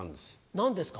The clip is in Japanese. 何ですか？